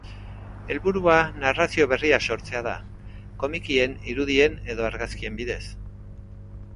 Helburua narrazio berriak sortzea da, komikien, irudien edo argazkien bidez.